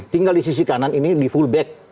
tinggal di sisi kanan ini di fullback